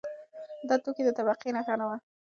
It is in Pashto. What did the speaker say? دا توکی د طبقې نښه نه وه.